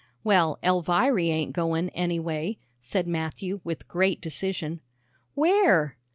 "Well, Elviry ain't goin', anyway," said Matthew, with great decision. "Where?"